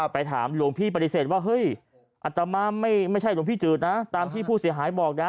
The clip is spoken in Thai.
ไปถามหลวงพี่ปฏิเสธว่าเฮ้ยอัตมาไม่ใช่หลวงพี่จืดนะตามที่ผู้เสียหายบอกนะ